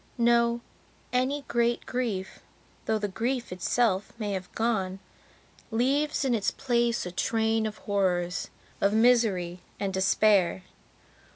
No, any great grief, though the grief itself may have gone, leaves in its place a train of horrors, of misery, and despair.